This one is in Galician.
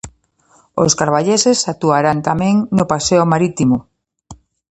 Os carballeses actuarán tamén no paseo marítimo.